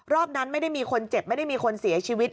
รอบนั้นไม่ได้มีคนเจ็บไม่ได้มีคนเสียชีวิต